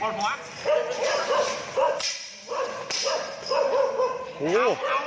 ออกหัว